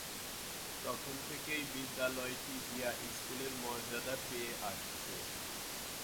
তখন থেকেই বিদ্যালয়টি জিলা স্কুলের মর্যাদা পেয়ে আসছে।